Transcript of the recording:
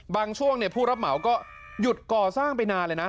ช่วงผู้รับเหมาก็หยุดก่อสร้างไปนานเลยนะ